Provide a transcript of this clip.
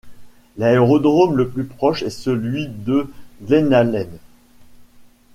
L'aérodrome le plus proche est celui de Glennallen.